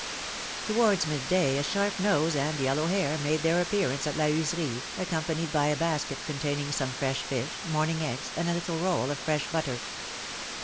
0 WARDS mid day a sharp nose and yellow hair L made their appearance at La Heuserie, accompanied by a basket containing some fresh fish, morning eggs, and a little roll of fresh butter.